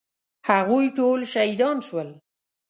هغوی ټول شهیدان شول.